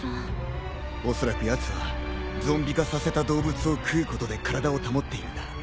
おそらくやつはゾンビ化させた動物を食うことで体を保っているんだ。